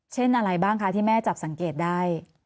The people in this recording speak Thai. เช่นอะไรบ้างคะที่แม่จับสังเกตได้